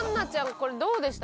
これどうでした？